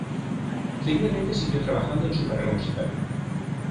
Seguidamente siguió trabajando en su carrera musical.